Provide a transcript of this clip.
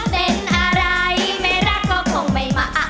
เป็นอะไรไม่รักก็คงไม่มาอะ